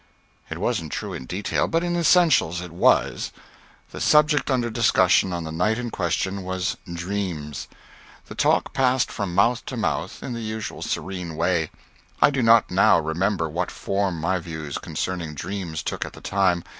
It wasn't true in detail, but in essentials it was. The subject under discussion on the night in question was Dreams. The talk passed from mouth to mouth in the usual serene way. I do not now remember what form my views concerning dreams took at the time.